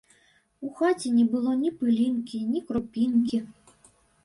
У хаце не было ні пылінкі, ні крупінкі.